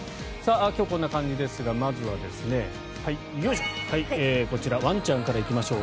今日こんな感じですがまずは、よいしょ。